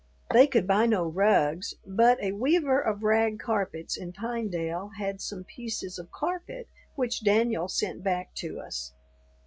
They could buy no rugs, but a weaver of rag carpets in Pinedale had some pieces of carpet which Daniel sent back to us.